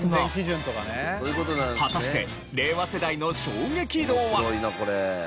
果たして令和世代の衝撃度は？